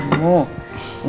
ini buat mama